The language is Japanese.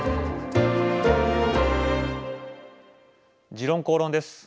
「時論公論」です。